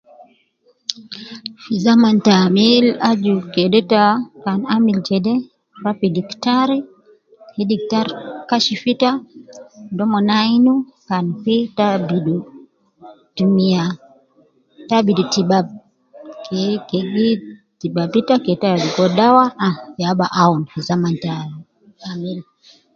Fi zaman ta amil aju kede ta kan amil jede, rua fi diktar ke diktari Kashif ita, kede omon ayinu kan fi ta abidu, tumiya, ta abidu tibab ke kede tibab ke ta ligo dawa ah ya ba awun fi zaman ta amili